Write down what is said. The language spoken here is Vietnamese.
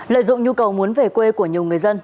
lợi dụng nhu cầu muốn về quê của nhiều người dân